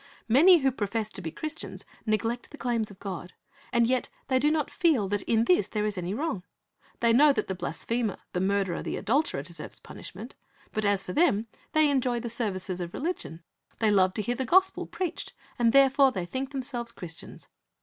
Many who profess to be Christians neglect the claims of God, and yet they do not feel that in this there is any wrong. They know that the blasphemer, the murderer, the adulterer, deserves punishment; but as for them, they enjoy the services of religion. They love to hear the gospel preached, and therefore they think themselves Christians.